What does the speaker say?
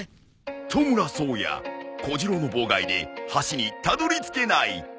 トムラ颯也小次郎の妨害で橋にたどりつけない。